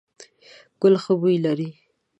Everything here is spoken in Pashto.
ګل ښه بوی لري ….